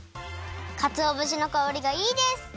かつおぶしのかおりがいいです！